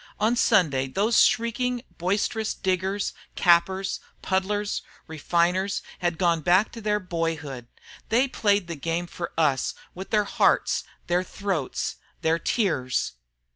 On Sunday those shrieking, boisterous diggers, cappers, puddlers, refiners, had gone back to their boyhood. They played the game for us with their hearts, their throats, their tears.